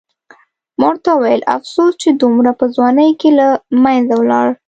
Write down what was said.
ما ورته وویل: افسوس چې دومره په ځوانۍ کې له منځه ولاړ.